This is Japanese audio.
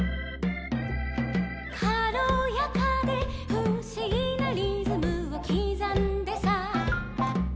「かろやかでふしぎなリズムをきざんでさ」